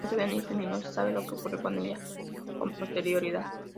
No tuvieron hijos y no se sabe lo que ocurrió con ella con posterioridad.